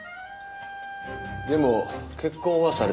でも結婚はされてない？